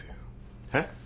えっ！？